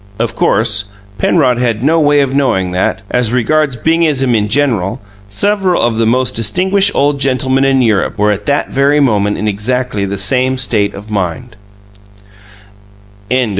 Of course Penrod had no way of knowing that, as regards bingism in general, several of the most distinguished old gentlemen in Europe were at that very moment in exactly the same state of mind.